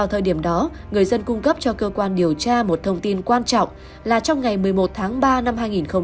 thời điểm đó người dân cung cấp cho cơ quan điều tra một thông tin quan trọng là trong ngày một mươi một tháng ba năm hai nghìn hai mươi